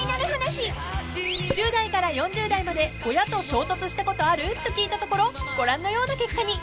［１０代から４０代まで親と衝突したことある？と聞いたところご覧のような結果に］